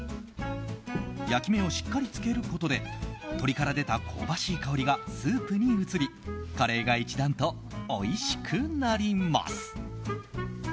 焼き目をしっかりつけることで鶏から出た香ばしい香りがスープに移りカレーが一段とおいしくなります。